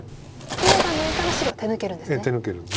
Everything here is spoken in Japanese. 黒が抜いたら白手抜けるんですね。